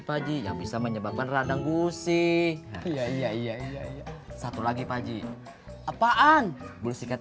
pji yang bisa menyebabkan radang gusi ya ya ya satu lagi pagi apaan bulu sikat